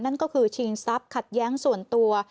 นั่นก็คือชิงทรัพย์ขัดแย้งส่วนตัว